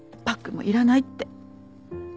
バッグもいらないって。